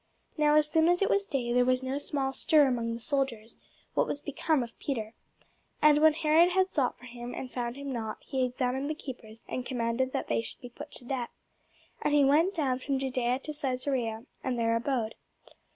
Now as soon as it was day, there was no small stir among the soldiers, what was become of Peter. And when Herod had sought for him, and found him not, he examined the keepers, and commanded that they should be put to death. And he went down from Judæa to Cæsarea, and there abode.